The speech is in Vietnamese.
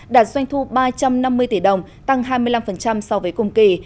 đạt doanh thu ba trăm năm mươi tỷ đồng tăng hai mươi năm so với cùng kỳ